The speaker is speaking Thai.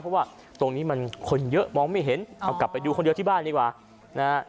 เพราะว่าตรงนี้มันคนเยอะมองไม่เห็นเอากลับไปดูคนเดียวที่บ้านดีกว่านะฮะ